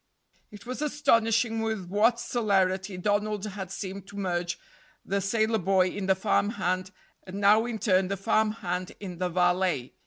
It was astonishing with what celerity Donald had seemed to merge the sailor boy in the farm hand, and now in turn the farm hand in the valet.